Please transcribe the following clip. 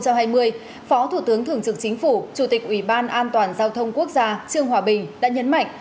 phó thủ tướng thường trực chính phủ chủ tịch ủy ban an toàn giao thông quốc gia trương hòa bình đã nhấn mạnh